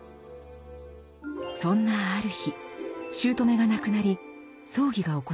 そんなある日姑が亡くなり葬儀が行われました。